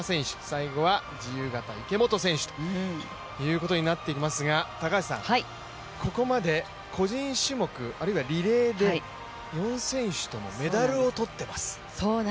最後は自由形・池本選手ということになっていきますがここまで、個人種目あるいはリレーで４選手ともメダルを取っています。